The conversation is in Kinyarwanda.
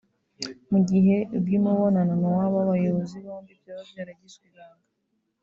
Mu gihe iby’umubonano w’aba bayobozi bombi byari byaragizwe ibanga